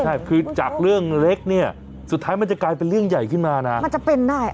ใช่คือจากเรื่องเล็กเนี่ยสุดท้ายมันจะกลายเป็นเรื่องใหญ่ขึ้นมานะมันจะเป็นได้